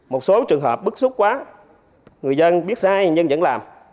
một số trường hợp bức xúc quá người dân biết sai nhưng vẫn làm